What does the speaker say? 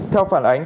theo phản ánh